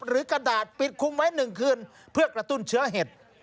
หรือกระดาษปิดคุ้มไว้หนึ่งคืนเพื่อกระตุ้นเชื้อเหตุ